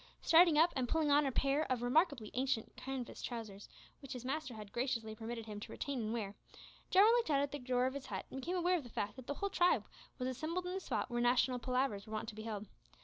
Starting up, and pulling on a pair of remarkably ancient canvas trousers, which his master had graciously permitted him to retain and wear, Jarwin looked out at the door of his hut and became aware of the fact that the whole tribe was assembled in the spot where national "palavers" were wont to be held.